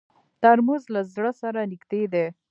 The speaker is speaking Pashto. ترموز له زړه سره نږدې دی.